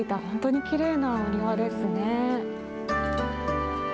本当にきれいなお庭ですね。